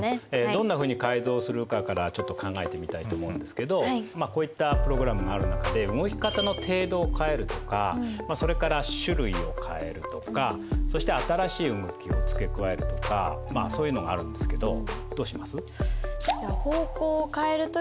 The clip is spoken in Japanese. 「どんなふうに改造するか」からちょっと考えてみたいと思うんですけどこういったプログラムがある中で動き方の程度を変えるとかそれから種類を変えるとかそして新しい動きを付け加えるとかそういうのがあるんですけどどうします？